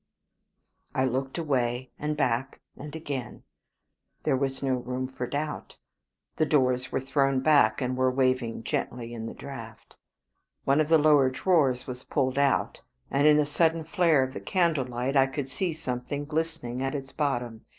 I looked away, and back, and again. There was no room for doubt. The doors were thrown back, and were waving gently in the draught. One of the lower drawers was pulled out, and in a sudden flare of the candle light I could see something glistening at its bottom.